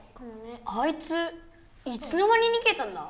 あいついつの間ににげたんだ？